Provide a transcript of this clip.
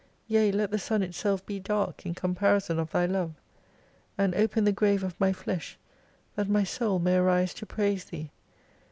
Yea, let the sun itself be dark in comparison of Thy Love ! And open the grave of my flesh, that my soul may arise to praise Thee.